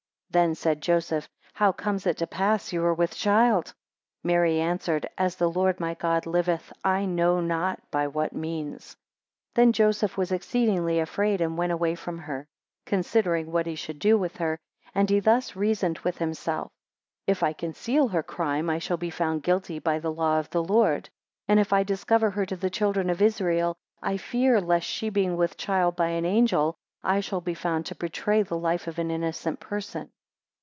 11 Then said Joseph, How comes it to pass you are with child? 12 Mary answered, As the Lord my God liveth, I know not by what means. 13 Then Joseph was exceedingly afraid, and went ay from her, considering what he should do with her; and he thus reasoned with himself: 14 If I conceal her crime, I shall be found guilty by the law of the Lord; 15 And if I discover her to the children of Israel, I fear, lest she being with child by an angel, I shall be found to betray the life of an innocent person.